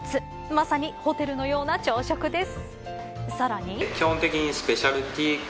まさにホテルのような朝食です。